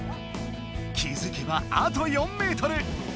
気づけばあと４ｍ！